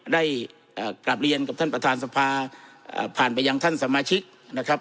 ได้กลับเรียนกับท่านประธานสภาผ่านไปยังท่านสมาชิกนะครับ